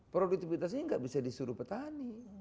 produktivitas ini tidak bisa disuruh petani